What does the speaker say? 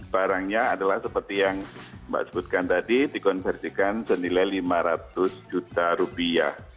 barangnya adalah seperti yang mbak sebutkan tadi dikonversikan senilai lima ratus juta rupiah